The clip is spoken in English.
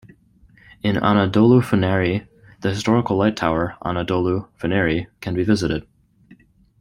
In Anadolufeneri, the historical lighttower Anadolu Feneri can be visited.